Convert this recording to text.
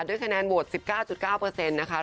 ด้วยคะแนนโหวต๑๙๙นะคะ